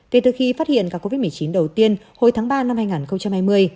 kể từ khi phát hiện ca covid một mươi chín đầu tiên hồi tháng ba năm hai nghìn hai mươi